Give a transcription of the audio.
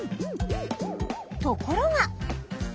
ところが。